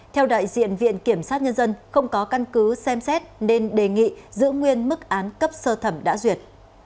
theo đại diện viện kiểm sát nhân dân không có căn cứ xem xét nên đề nghị giữ nguyên mức án cấp sơ thẩm đã duyệt